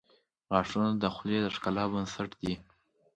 • غاښونه د خولې د ښکلا بنسټ دي.